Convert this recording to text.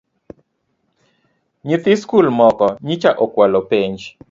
Nyithi skul moko nyiche okwalo penj